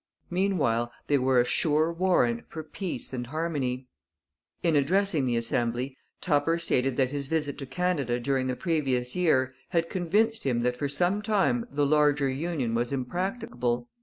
Meanwhile they were a sure warrant for peace and harmony. In addressing the Assembly Tupper stated that his visit to Canada during the previous year had convinced him that for some time the larger union was impracticable.